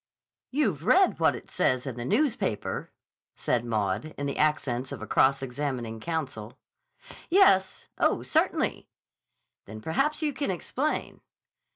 "You've read what it says in the newspaper?" said Maud, in the accents of a cross examining counsel. "Yes. Oh, certainly!" "Then perhaps you can explain."